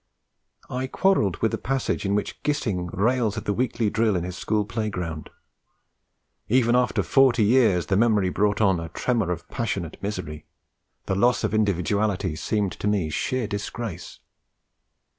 I quarrelled with the passage in which Gissing rails at the weekly drill in his school playground: 'even after forty years' the memory brought on a 'tremor of passionate misery.... The loss of individuality seemed to me sheer disgrace.'